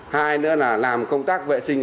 hai nữa là làm công tác vệ sinh